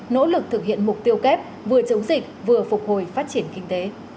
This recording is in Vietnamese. nỗ lực thực hiện mục tiêu kép vừa chống dịch vừa phục hồi phát triển kinh tế